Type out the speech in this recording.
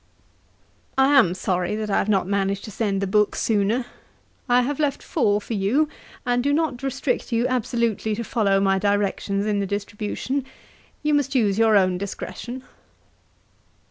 'I am sorry that I have not managed to send the book sooner. I have left four for you, and do not restrict you absolutely to follow my directions in the distribution. You must use your own discretion.